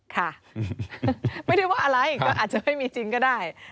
ค่ะไม่ได้ว่าอะไรก็อาจจะไม่มีจริงก็ได้